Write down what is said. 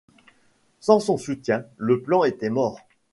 Sans son soutien, le plan était mort.